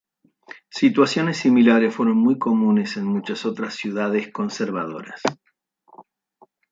Situaciones similares fueron muy comunes en muchas otras ciudades conservadoras.